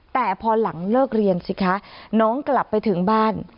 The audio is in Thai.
แต่พอหลังเลิกเรียนสิคะน้องกลับไปถึงบ้าน